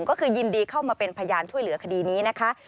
ก็คือยินดีเข้ามาเป็นพยานช่วยเหลือคดีนี้นะคะ